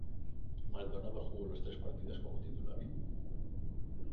Maldonado jugó los tres partidos como titular.